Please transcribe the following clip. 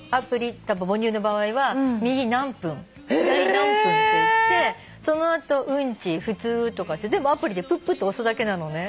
たぶん母乳の場合は右何分左何分っていってその後うんち普通とかって全部アプリでプッと押すだけなの。